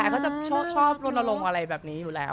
แอบก็จะชอบร่วมลงแบบนี้อยู่แล้ว